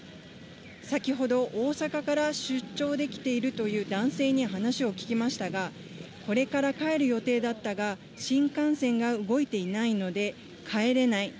先ほど、大阪から出張で来ているという男性に話を聞きましたが、これから帰る予定だったが、新幹線が動いていないので帰れない。